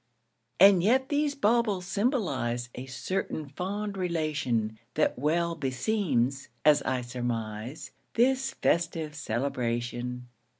And yet these baubles symbolize A certain fond relation That well beseems, as I surmise, This festive celebration.